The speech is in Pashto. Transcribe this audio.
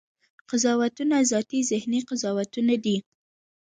قضاوتونه ذاتي ذهني قضاوتونه دي.